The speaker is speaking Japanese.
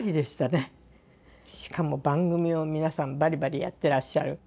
しかも番組を皆さんバリバリやってらっしゃる。